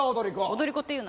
踊り子って言うな。